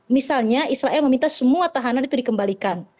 misalnya israel meminta semua tahanan itu dikembalikan